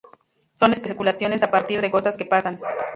Son especulaciones a partir de cosas que pasan.